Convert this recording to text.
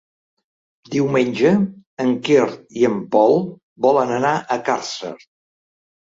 Diumenge en Quer i en Pol volen anar a Càrcer.